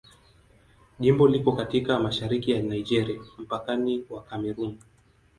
Jimbo liko katika mashariki ya Nigeria, mpakani wa Kamerun.